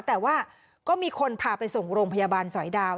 แต่ว่าก็มีคนพาไปส่งโรงพยาบาลสอยดาว